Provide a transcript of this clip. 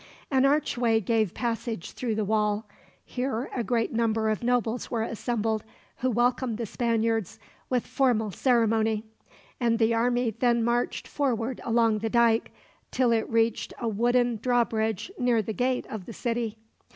An archway gave passage through the wall. Here a great number of nobles were assembled, who welcomed the Spaniards with formal ceremony; and the army then marched forward along the dike, till it reached a wooden drawbridge near the gate of the city.